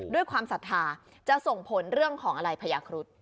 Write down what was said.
ความศรัทธาจะส่งผลเรื่องของอะไรพญาครุฑ